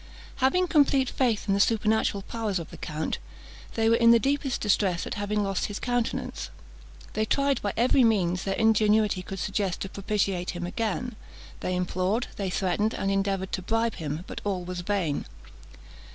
Having complete faith in the supernatural powers of the count, they were in the deepest distress at having lost his countenance. They tried by every means their ingenuity could suggest to propitiate him again. They implored, they threatened, and endeavoured to bribe him; but all was vain.